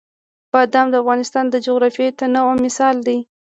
بادام د افغانستان د جغرافیوي تنوع مثال دی.